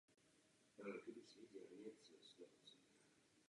Žádná klinicky užitečná metoda zatím není k dispozici.